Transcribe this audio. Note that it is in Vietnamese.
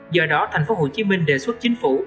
do đó thành phố hồ chí minh đề xuất chính phủ